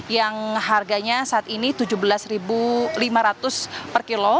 yang harganya saat ini rp tujuh belas lima ratus per kilo